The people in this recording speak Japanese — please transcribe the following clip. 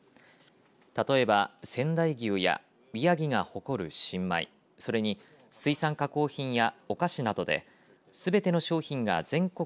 例えば仙台牛や宮城が誇る新米それに水産加工品やお菓子などですべての商品が全国